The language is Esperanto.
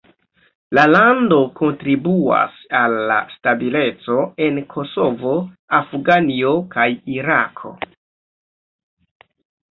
La lando kontribuas al la stabileco en Kosovo, Afganio kaj Irako.